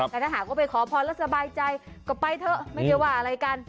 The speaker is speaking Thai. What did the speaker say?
แต่ถ้าหากว่าไปขอพรแล้วสบายใจก็ไปเถอะไม่ได้ว่าอะไรกัน